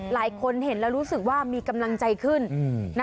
หลายคนเห็นแล้วรู้สึกว่ามีกำลังใจขึ้น